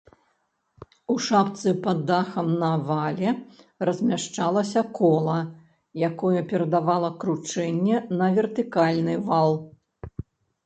У шапцы пад дахам на вале размяшчалася кола, якое перадавала кручэнне на вертыкальны вал.